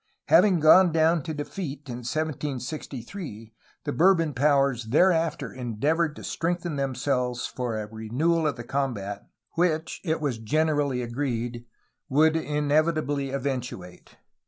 Having gone down in defeat in 1763, the Bourbon powers thereafter endeavored to strengthen them selves for a renewal of the combat, which, it was generally agreed, would inevitably eventuate.